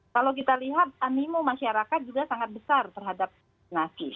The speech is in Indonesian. kalau kita lihat animo masyarakat juga sangat besar terhadap vaksinasi